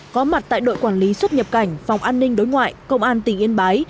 có mặt tại đội quản lý xuất nhập cảnh phòng an ninh đối ngoại công an tỉnh yên bái